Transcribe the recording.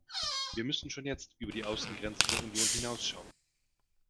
Wir müssen schon jetzt über die Außengrenzen der Union hinaus schauen.